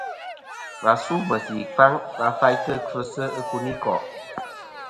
Và su meysì ɨkfaŋ va faytɨ kfɨsɨ ikunikò'.